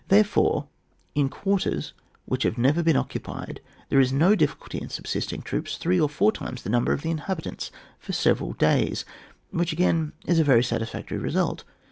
Therefore in quarters which have never been occu pied there is no difficulty in subsisting troops three or four times the nimibor of the inhabitants for several days, which again is a very satisfactory result.